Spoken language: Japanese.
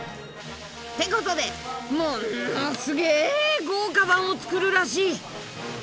ってことでもんのすげぇ豪華版を作るらしい！